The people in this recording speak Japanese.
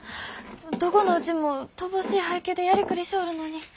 どこのうちも乏しい配給でやりくりしょおるのに。